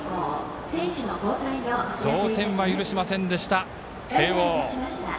同点は許しませんでした、慶応。